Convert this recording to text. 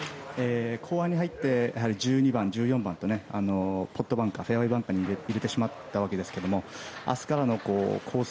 後半に入ってやはり１２番、１４番とポットバンカーフェアウェーバンカーに入れてしまったわけですが明日からのコース